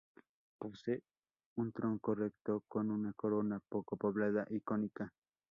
Posee un tronco recto con una corona poco poblada y cónica.